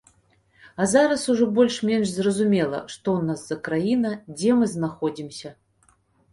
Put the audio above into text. А зараз ужо больш-менш зразумела, што ў нас за краіна, дзе мы знаходзімся.